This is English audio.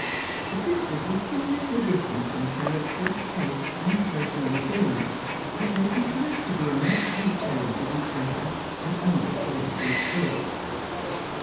The sisters were curiously different in character, tastes, and personal appearance ; yet they contrived to be on excellent terms with each other, and only quarrelled in sport.